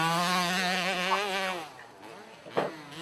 他的许多兄长却只承认自己仅是非裔美国人。